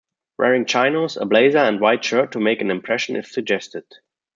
Wearing chinos, a blazer and white shirt to make an impression is suggested.